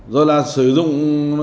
rồi là sử dụng